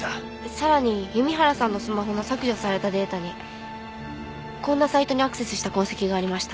さらに弓原さんのスマホの削除されたデータにこんなサイトにアクセスした痕跡がありました。